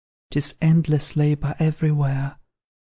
'Tis endless labour everywhere!